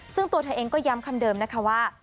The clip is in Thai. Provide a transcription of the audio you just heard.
ซึ่งตัวเธอเองก็ย้ำคำเดิมนะคะว่า